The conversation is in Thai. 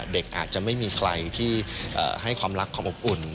เด็กอาจจะไม่มีใครที่ให้ความรักความอบอุ่น